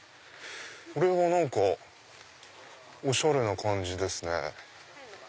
これは何かおしゃれな感じですね。